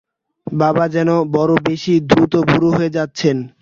বাবা যেন বড় বেশি দ্রুত বুড়ো হয়ে যাচ্ছেন।